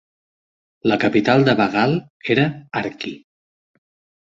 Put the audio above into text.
La capital de Baghal era Arki.